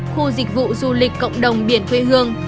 khu dịch vụ du lịch cộng đồng biển quê hương